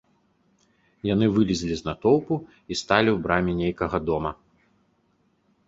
Яны вылезлі з натоўпу і сталі ў браме нейкага дома.